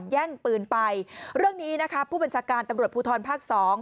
แย่งปืนไปเรื่องนี้นะคะผู้บัญชาการตำรวจภูทรภาคสอง